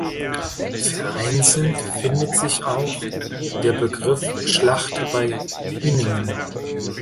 Vereinzelt findet sich auch der Begriff Schlacht bei Hüningen.